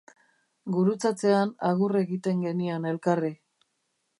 Gurutzatzean, agur egiten genion elkarri.